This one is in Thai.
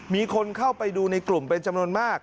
มีคนเข้าไปดูในกลุ่มเป็นจำนวนมาก